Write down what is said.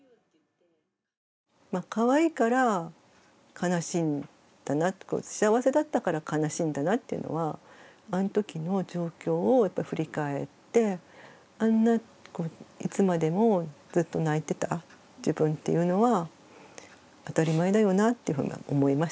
かわいいから悲しいんだな幸せだったから悲しいんだなっていうのはあのときの状況を振り返ってあんないつまでもずっと泣いてた自分っていうのは当たり前だよなってふうには思いましたね。